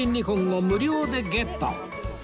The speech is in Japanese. ２本を無料でゲット！